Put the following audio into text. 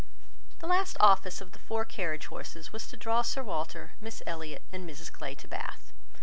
The last office of the four carriage horses was to draw Sir Walter, Miss Elliot, and Mrs Clay to Bath.